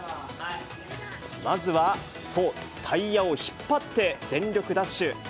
まずは、そう、タイヤを引っ張って全力ダッシュ。